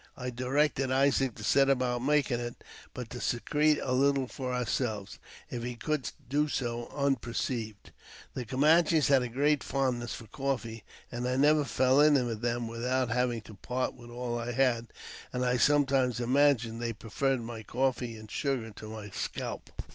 I directed Isaac to set about making it, but to secrete a little for ourselves if he could do so un perceived. The Camanches have a great fondness for coffee, and I never fell in with them without having to part with all I had, and I sometimes imagined they preferred my coffee and sugar to my scalp.